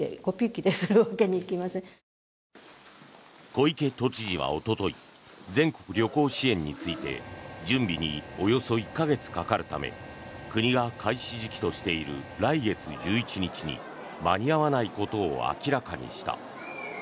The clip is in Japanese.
小池都知事はおととい全国旅行支援について準備におよそ１か月かかるため国が開始時期としている来月１１日に間に合わないことを明らかにした。